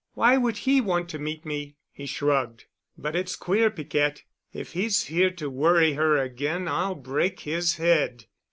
Why would he want to meet me?" he shrugged. "But it's queer, Piquette. If he's here to worry her again I'll break his head."